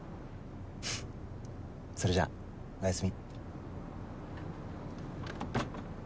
フフッそれじゃあおやすみ。